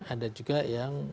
ada juga yang